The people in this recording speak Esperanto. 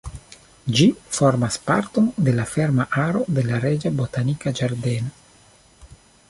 Ĝi formas parton de la ferma aro de la Reĝa Botanika Ĝardeno.